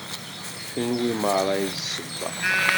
D kunwi merra i d ssebba.